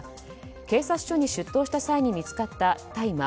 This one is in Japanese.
警察署に出頭した際に見つかった大麻